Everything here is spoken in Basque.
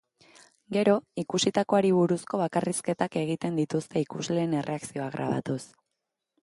Gero, ikusitakoari buruzko bakarrizketak egiten dituzte ikusleen erreakzioak grabatuz.